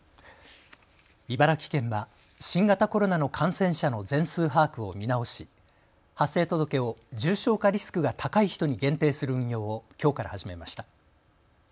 茨城県は新型コロナの感染者の全数把握を見直し発生届を重症化リスクが高い人に限定する運用をきょうから始めました。